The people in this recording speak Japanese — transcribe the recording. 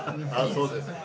そうですか。